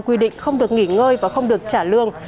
quy định không được nghỉ ngơi và không được trả lương